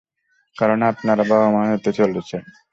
কারণ, আপনারা বাবা-মা হতে চলেছেন।